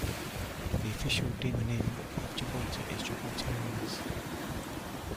The official demonym of Gibraltar is "Gibraltarians".